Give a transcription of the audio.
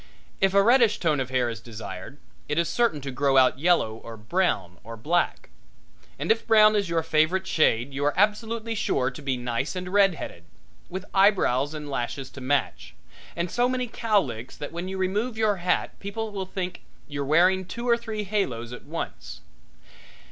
If a reddish tone of hair is desired it is certain to grow out yellow or brown or black; and if brown is your favorite shade you are absolutely sure to be nice and red headed, with eyebrows and lashes to match, and so many cowlicks that when you remove your hat people will think you're wearing two or three halos at once.